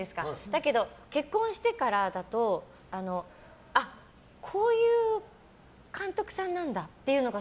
だけど、結婚してからだとこういう監督さんなんだっていうのが